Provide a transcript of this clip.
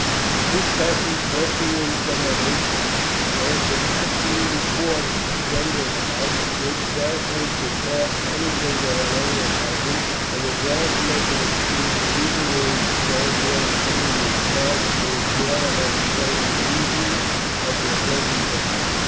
The two peasants left the room somewhat hastily. They had been absolutely awed at the splendour of the house, which vastly surpassed anything they had ever imagined, and were glad to make an excuse to leave the room and so avoid seeing the count until his daughter had explained the reason of their presence there.